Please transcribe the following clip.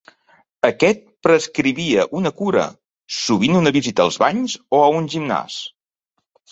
Aquest prescrivia una cura, sovint una visita als banys o a un gimnàs.